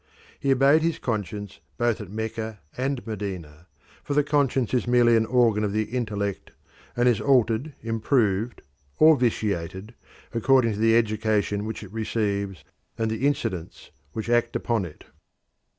He obeyed his conscience both at Mecca and Medina, for the conscience is merely an organ of the intellect, and is altered, improved, or vitiated according to the education which it receives and the incidents which act upon it.